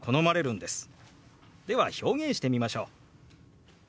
では表現してみましょう。